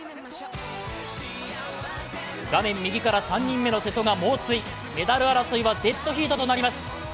画面右から３人目の瀬戸が猛追メダル争いはデッドヒートとなります。